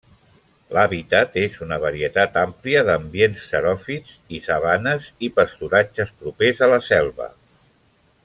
L'hàbitat és una varietat àmplia d'ambients xeròfits i sabanes, i pasturatges propers a la selva.